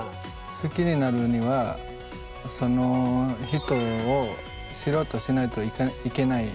好きになるにはその人を知ろうとしないといけない。